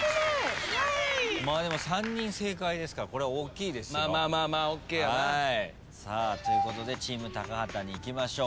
でも３人正解ですからこれは大きいですよ。ということでチーム高畑にいきましょう。